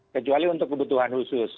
kecuali untuk kebutuhan khusus